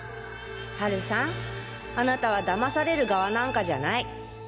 ハルさんあなたは騙される側なんかじゃない。